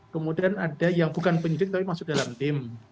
kemudian ada yang bukan penyidik tapi masuk dalam tim